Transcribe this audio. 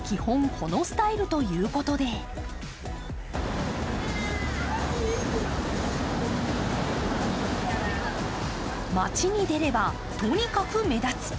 このスタイルということで街に出れば、とにかく目立つ。